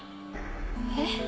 えっ？